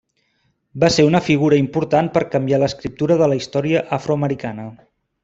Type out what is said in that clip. Va ser una figura important per canviar l'escriptura de la història afroamericana.